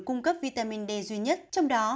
cung cấp vitamin d duy nhất trong đó